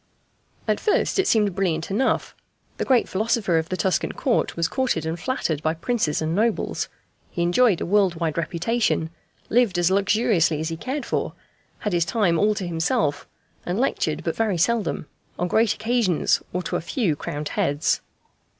At first it seemed brilliant enough. The great philosopher of the Tuscan Court was courted and flattered by princes and nobles, he enjoyed a world wide reputation, lived as luxuriously as he cared for, had his time all to himself, and lectured but very seldom, on great occasions or to a few crowned heads.